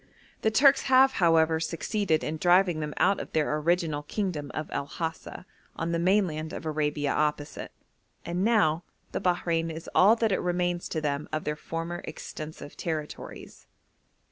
The Turks have, however, succeeded in driving them out of their original kingdom of El Hasa, on the mainland of Arabia opposite, and now the Bahrein is all that remains to them of their former extensive territories.